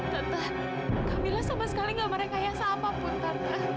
tante kak mila sama sekali enggak merekayasa apapun tante